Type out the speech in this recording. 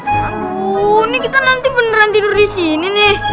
wah ini kita nanti beneran tidur di sini nih